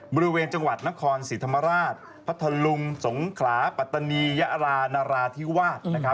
บริเวณจังหวัดนครศรีธรรมราชพัทธลุงสงขลาปัตตานียะรานราธิวาส